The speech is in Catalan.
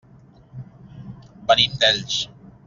Venim d'Elx.